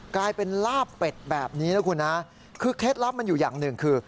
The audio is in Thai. กลายเป็นลาบเป็ดแบบนี้นะคุณนะคือเคล็ดลับมันอยู่อย่างหนึ่งคือ